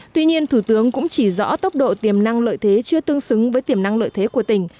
tuy nhiên thủ tướng cũng chỉ rõ tốc độ tiềm năng lợi thế chưa tương xứng với tiềm năng lợi thế của tỉnh